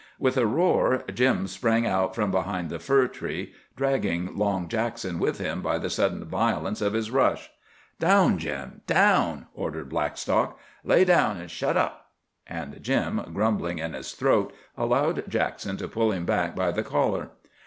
With a roar Jim sprang out from behind the fir tree, dragging Long Jackson with him by the sudden violence of his rush. "Down, Jim, down!" ordered Blackstock. "Lay down an' shut up." And Jim, grumbling in his throat, allowed Jackson to pull him back by the collar.